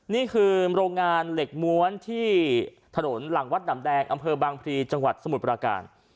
นี่คือโรงงานเหล็กม้วนที่ถนนหลังวัดหนำแดงอำเภอบางพลีจังหวัดสมุทรปราการ